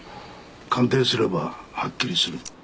鑑定すればはっきりする。